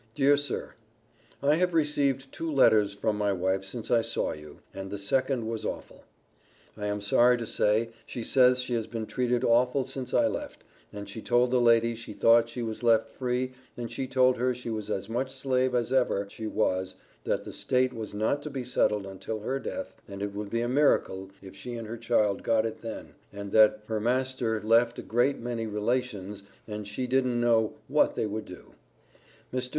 Dear Sir, I have received two letters from my wife since I saw you, and the second was awful. I am sorry to say she says she has been treated awful since I left, and she told the lady she thought she was left free and she told her she was as much slave as ever she was that the state was not to be settled until her death and it would be a meracle if she and her child got it then and that her master left a great many relations and she diden no what they would do. Mr.